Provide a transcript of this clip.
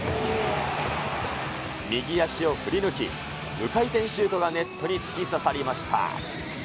右足を振り抜き、無回転シュートがネットに突き刺さりました。